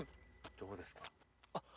どうですか？